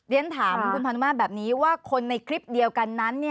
เรียนถามคุณพานุมาตรแบบนี้ว่าคนในคลิปเดียวกันนั้น